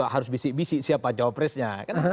harus bisik bisik siapa jawab presnya